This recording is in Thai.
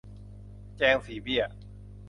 แจงสี่เบี้ย